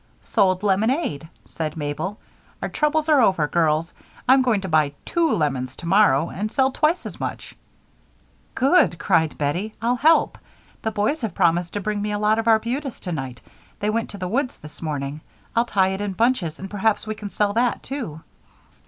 "Sold lemonade," said Mabel. "Our troubles are over, girls. I'm going to buy two lemons tomorrow and sell twice as much." "Good!" cried Bettie, "I'll help. The boys have promised to bring me a lot of arbutus tonight they went to the woods this morning. I'll tie it in bunches and perhaps we can sell that, too."